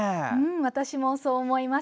私もそう思います。